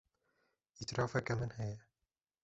Îtirafeke min heye.